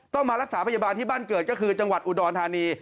มารักษาพยาบาลที่บ้านเกิดก็คือจังหวัดอุดรธานี